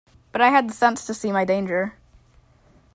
But I had the sense to see my danger.